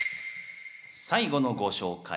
最後のご紹介。